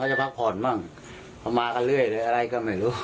จะพักผ่อนบ้างพอมากันเรื่อยหรืออะไรก็ไม่รู้